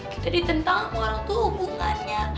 kita ditentang ke orang tuh hubungannya